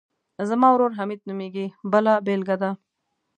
زما ورور حمید نومیږي بله بېلګه ده.